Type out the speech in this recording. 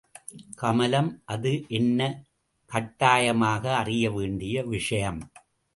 கமலம் அது என்ன கட்டாயமாக அறிய வேண்டிய விஷயம்?